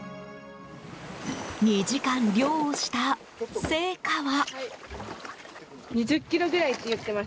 ２時間漁をした成果は。